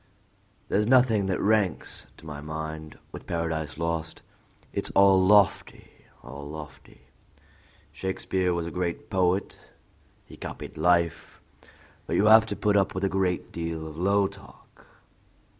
and I nodded. "There's nothing that ranks, to my mind, with Paradise Lost; it's all lofty, all lofty," he continued. "Shakespeare was a great poet; he copied life, but you have to put up with a great deal of low talk."